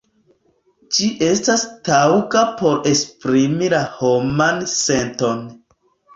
Ĝi estas taŭga por esprimi la homan senton.